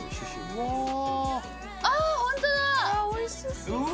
おいしそう。